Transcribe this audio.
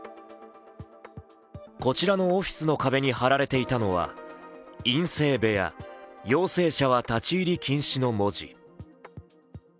こちらのオフィスの壁に貼られていたのは「陰性部屋陽性者は立入禁止」の文字。